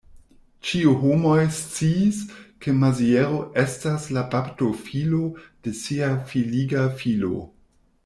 Ĉiuj homoj sciis, ke Maziero estas la baptofilo de sia filiga filo.